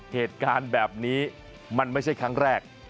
เหตุการณ์แบบนี้มันไม่ใช่ครั้งแรก